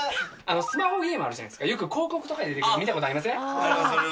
スマホゲームあるじゃないですか、広告とかで見たことありません？